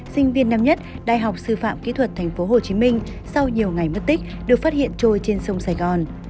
sinh viên năm nhất đại học sư phạm kỹ thuật tp hcm sau nhiều ngày mất tích được phát hiện trôi trên sông sài gòn